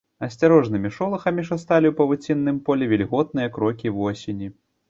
Асцярожнымі шолахамі шасталі ў павуцінным полі вільготныя крокі восені.